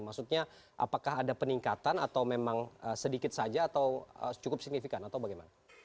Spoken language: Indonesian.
maksudnya apakah ada peningkatan atau memang sedikit saja atau cukup signifikan atau bagaimana